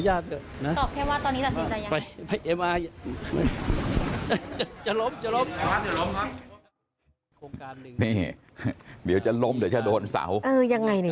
ยังไงเนี่ยยังไง